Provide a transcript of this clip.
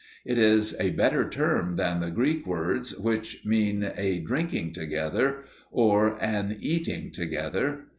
It is a better term than the Greek words which mean "a drinking together," or, "an eating together."